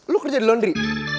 lo kerja di laundry